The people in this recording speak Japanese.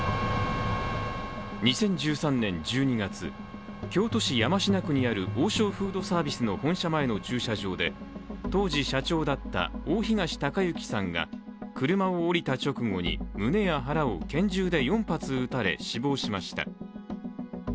２０１３年１２月、京都市山科区にある王将フードサービスの本社前の駐車場で、当時社長だった大東隆行さんが車を降りた直後に胸や腹を拳銃で４発撃たれ、死亡しました。